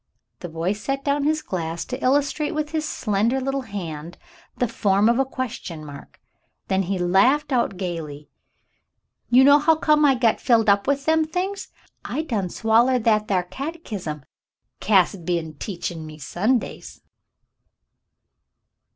The boy set down his glass to illustrate with his slender little hand the form of the question mark. Then he laughed out gayly. "You know hu' come I got filled up with them things ? I done swallered that thar catechism Cass b'en teachin' me Sundays."